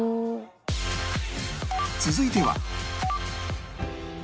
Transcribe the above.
続いては